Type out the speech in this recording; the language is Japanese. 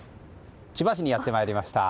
千葉市にやってまいりました。